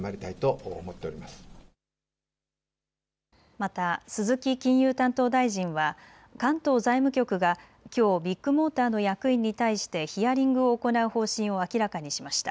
また鈴木金融担当大臣は関東財務局がきょうビッグモーターの役員に対してヒアリングを行う方針を明らかにしました。